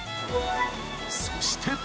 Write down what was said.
［そして］